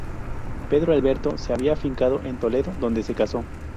Pedro Alberto se había afincado en Toledo, donde se casó.